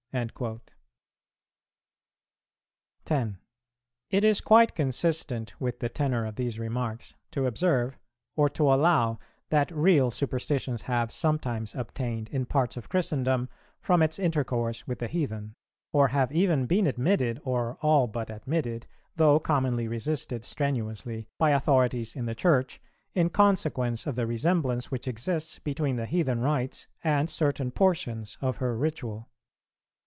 "[377:1] 10. It is quite consistent with the tenor of these remarks to observe, or to allow, that real superstitions have sometimes obtained in parts of Christendom from its intercourse with the heathen; or have even been admitted, or all but admitted, though commonly resisted strenuously, by authorities in the Church, in consequence of the resemblance which exists between the heathen rites and certain portions of her ritual.